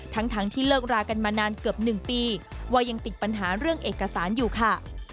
ทั้งที่เลิกรากันมานานเกือบ๑ปีว่ายังติดปัญหาเรื่องเอกสารอยู่ค่ะ